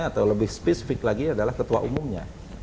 atau lebih spesifik lagi adalah ketua umumnya